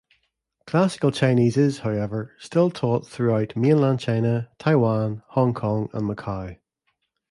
Classical Chinese is, however, still taught throughout mainland China, Taiwan, Hong Kong and Macau.